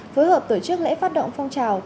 phối hợp tổ chức lễ phát động phong trào